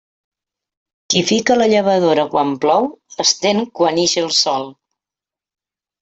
Qui fica la llavadora quan plou, estén quan ix el sol.